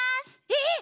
えっ！？